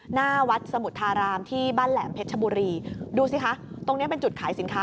หน้าวัดสมุทธารามที่บ้านแหลมเพชรชบุรีดูสิคะตรงเนี้ยเป็นจุดขายสินค้า